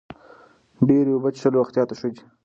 ډېرې اوبه څښل روغتیا ته ښه دي.